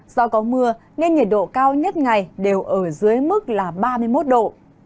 do có mưa nên nhiệt độ cao nhất ngày đều ở dưới mức là ba mươi một độ